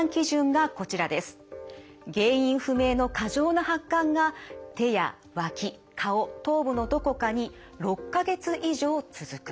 原因不明の過剰な発汗が手やわき顔頭部のどこかに６か月以上続く。